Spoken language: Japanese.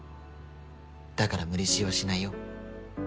だから無理強いはしないよ。